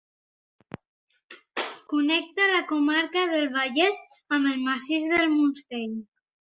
Connecta la comarca del Vallès amb el massís del Montseny.